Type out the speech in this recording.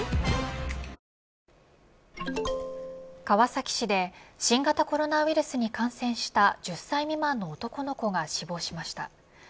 川崎市で新型コロナウイルスに感染した１０歳未満の男の子が死亡しました。